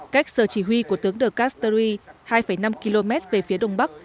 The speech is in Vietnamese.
cách sở chỉ huy của tướng đờ cát tờ uy hai năm km về phía đông bắc